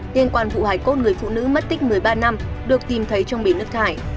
liên quan vụ hài cốt người phụ nữ mất tích một mươi ba năm được tìm thấy trong bể nước hải